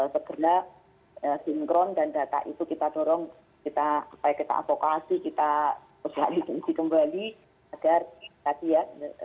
segera sinkron dan data itu kita dorong supaya kita advokasi kita sosialisasi kembali agar tadi ya